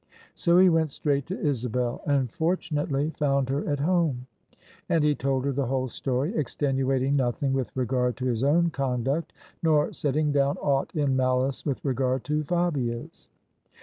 So he went straight to Isabel and fortunately found her at home ; and he told her the whole story, extenuating noth ing with regard to his own conduct, nor setting down aught in malice with regard to Fabia's.